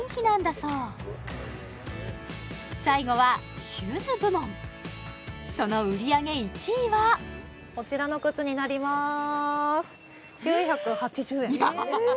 そう最後はシューズ部門その売り上げ１位はこちらの靴になります安い！